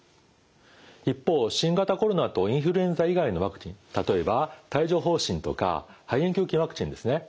一方新型コロナとインフルエンザ以外のワクチン例えば帯状ほう疹とか肺炎球菌ワクチンですね。